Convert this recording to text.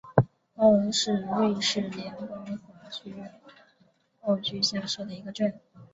奥龙是瑞士联邦西部法语区的沃州下设的一个镇。